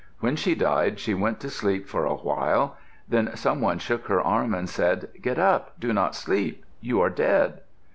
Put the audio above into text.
When she died she went to sleep for a while. Then some one shook her arm and said, "Get up. Do not sleep. You are dead."